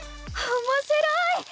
おもしろい！